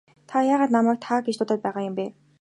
Та яагаад намайг та гэж дуудаад байгаа юм бэ?